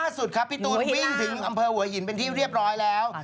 สุดครับพี่ตูนวิ่งถึงอำเภอหัวหินเป็นที่เรียบร้อยแล้ว